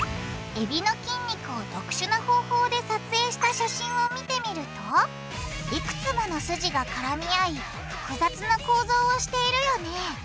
えびの筋肉を特殊な方法で撮影した写真を見てみるといくつもの筋が絡み合い複雑な構造をしているよね。